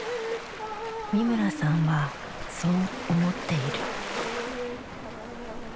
三村さんはそう思っている。